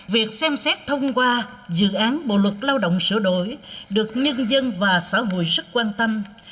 việc xem xét thông qua dự án bộ luật lao động sửa đổi được nhân dân và xã hội rất quan tâm